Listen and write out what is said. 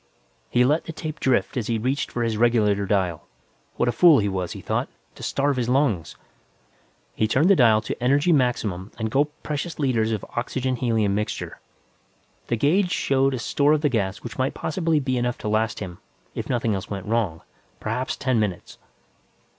He let the tape drift as he reached for his regulator dial. What a fool he was, he thought, to starve his lungs. He turned the dial to emergency maximum and gulped precious liters of oxygen helium mixture. The gauge showed a store of the gas which might possibly be enough to last him, if nothing else went wrong; perhaps ten minutes.